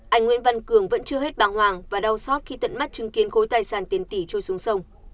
anh nguyễn văn cường vẫn chưa hết bàng hoàng và đau xót khi tận mắt chứng kiến khối tài sản tiền tỷ trôi xuống sông